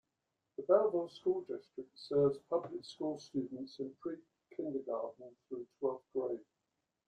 The Belleville School District serves public school students in pre-kindergarten through twelfth grade.